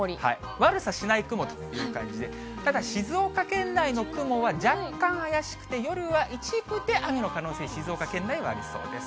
悪さしない雲という感じで、ただ、静岡県内の雲は、若干怪しくて、夜は一部で雨の可能性、静岡県内はありそうです。